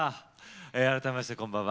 改めましてこんばんは。